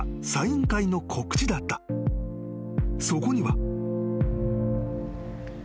［そこには］